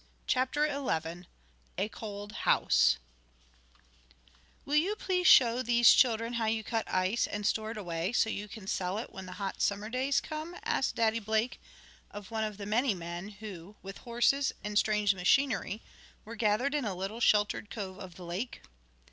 CHAPTER XI A COLD HOUSE "Will you please show these children how you cut ice, and store it away, so you can sell it when the hot summer days come?" asked Daddy Blake of one of the many men who, with horses and strange machinery, were gathered in a little sheltered cove of the lake.